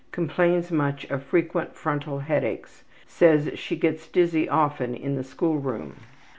Complains much of frequent frontal headaches. Says she gets dizzy often in the schoolroom.